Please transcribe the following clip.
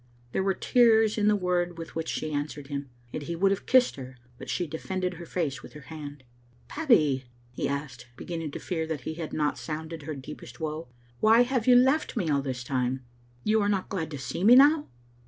There were tears in the word with which she answered him, and he would have kissed her, but she defended her face with her hand. "Babbie," he asked, beginning to fear that he had not sounded her deepest woe, "why have you left me all this time? You are not glad to see me now?"